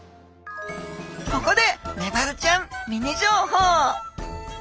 ここでメバルちゃんミニ情報。